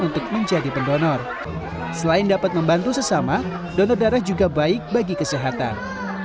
untuk menjadi pendonor selain dapat membantu sesama donor darah juga baik bagi kesehatan